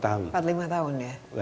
empat lima tahun ya